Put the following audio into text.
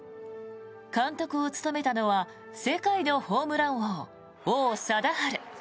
監督を務めたのは世界のホームラン王、王貞治。